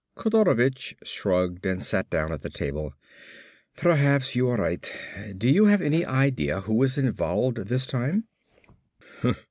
Kodorovich shrugged and sat down at the table. "Perhaps you are right. Do you have any idea who is involved this time?"